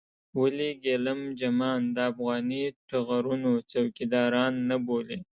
ولې ګېلم جمان د افغاني ټغرونو څوکيداران نه بولې.